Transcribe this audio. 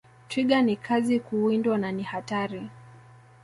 Twiga ni kazi kuwindwa na ni hatari